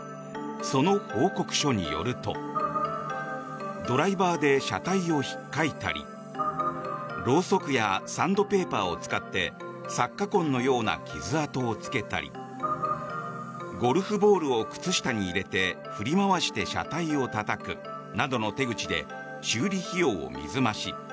その報告書によるとドライバーで車体をひっかいたりろうそくやサンドペーパーを使って擦過痕のような傷痕をつけたりゴルフボールを靴下に入れて振り回して車体をたたくなどの手口で修理費用を水増し。